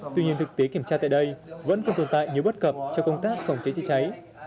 tuy nhiên thực tế kiểm tra tại đây vẫn còn tồn tại nhiều bất cập cho công tác phòng cháy chữa cháy